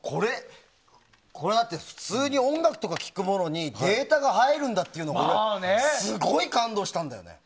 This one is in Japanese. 普通に音楽とかを聴くものにデータが入るんだっていうのがすごい感動したんだよね。